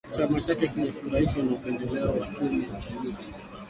chama chake hakijafurahishwa na upendeleo wa tume ya uchaguzi ya Zimbabwe